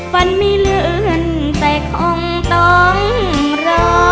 ฝันไม่เลื่อนแต่คงต้องรอ